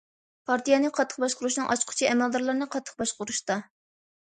پارتىيەنى قاتتىق باشقۇرۇشنىڭ ئاچقۇچى ئەمەلدارلارنى قاتتىق باشقۇرۇشتا.